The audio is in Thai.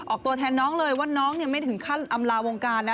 ตัวแทนน้องเลยว่าน้องไม่ถึงขั้นอำลาวงการนะ